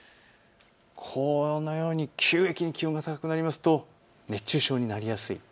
このように急激に気温が高くなりますと熱中症になりやすい。